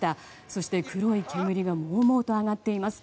そして黒い煙がもうもうと上がっています。